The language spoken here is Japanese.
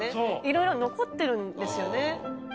いろいろ残ってるんですよね。